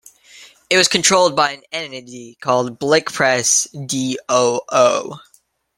It was controlled by an entity called Blic Press d.o.o.